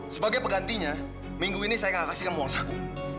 sebagai pegantinya minggu ini saya gak kasih kamu uang satu